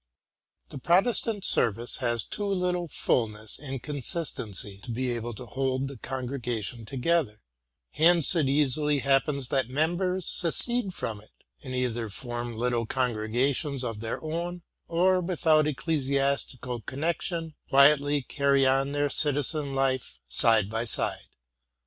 The Protestant, service has too little fulness and consistency to be able to hold the congregation together ; hence it easily happens that members secede from it, and either form little congregations of their own, or, without ecclesiastical connection, quietly carry on their citizen life side by side.